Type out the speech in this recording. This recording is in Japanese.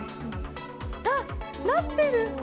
あ、なってる！